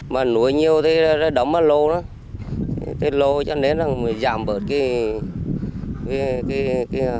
mà nuôi nhiều thì nó đóng vào lô đó thì lô cho nên là giảm bớt cái